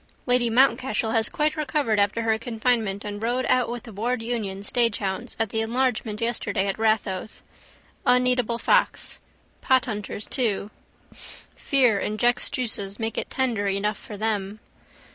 Lady Mountcashel has quite recovered after her confinement and rode out with the Ward Union staghounds at the enlargement yesterday at Rathoath. Uneatable fox. Pothunters too. Fear injects juices make it tender enough for them.